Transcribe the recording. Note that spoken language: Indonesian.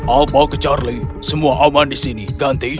alpaw ke charlie semua aman di sini ganti